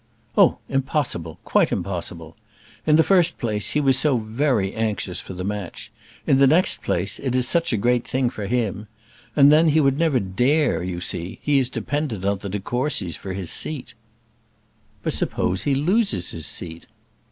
"Oh, impossible; quite impossible. In the first place, he was so very anxious for the match. In the next place, it is such a great thing for him. And then, he would never dare; you see, he is dependent on the de Courcys for his seat." "But suppose he loses his seat?"